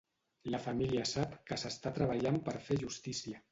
La família sap que s'està treballant per fer justícia.